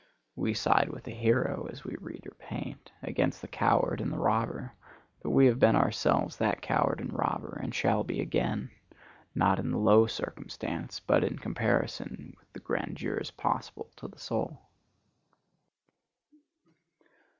We side with the hero, as we read or paint, against the coward and the robber; but we have been ourselves that coward and robber, and shall be again,—not in the low circumstance, but in comparison with the grandeurs possible to the soul.